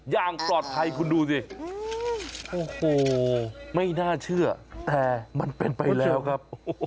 อย่างปลอดภัยคุณดูสิโอ้โหไม่น่าเชื่อแต่มันเป็นไปแล้วครับ